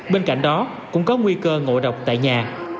bên cạnh đó cũng có nguy cơ ngộ độc tại nhà